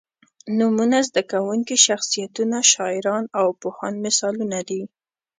نومونه، زده کوونکي، شخصیتونه، شاعران او پوهان مثالونه دي.